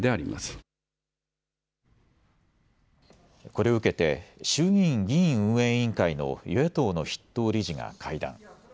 これを受けて衆議院議院運営委員会の与野党の筆頭理事が会談。